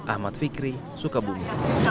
ahmad fikri sukabumi